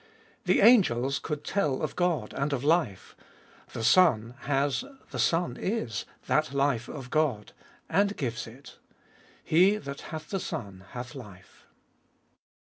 The angels could tell of God and of life. The Son has, the Son is, that life of God, and gives it. He that hath the Son, hath life.